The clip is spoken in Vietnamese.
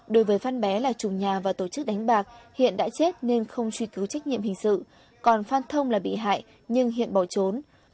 đối với phan bé là chủ nhà và tổ chức đánh bạc hiện đã chết nên không truy cứu trách nhiệm hình sự còn phan thông là bị hại nhưng hiện bỏ trốn